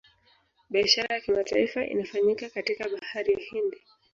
Biashara ya kimataifa inafanyika katika bahari ya hindi